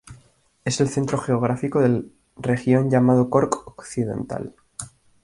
Es el centro geográfico del región llamado Cork occidental.